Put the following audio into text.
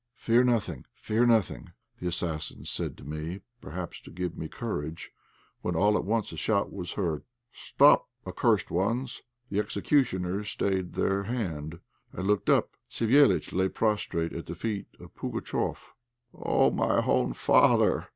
"Fear nothing! Fear nothing!" the assassins said to me, perhaps to give me courage, when all at once a shout was heard "Stop, accursed ones!" The executioners stayed their hand. I looked up. Savéliitch lay prostrate at the feet of Pugatchéf. "Oh! my own father!"